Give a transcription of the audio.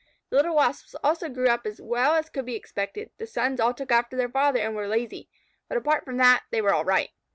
The little Wasps also grew up as well as could be expected. The sons all took after their father, and were lazy, but, apart from that, they were all right.